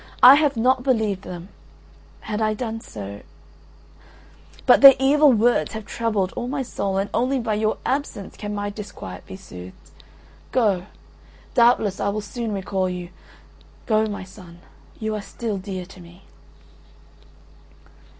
I have not believed them … had I done so … But their evil words have troubled all my soul and only by your absence can my disquiet be soothed. Go, doubtless I will soon recall you. Go, my son, you are still dear to me.